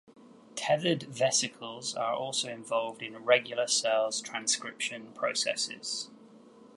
Tethered vesicles are also involved in regular cell's transcription processes.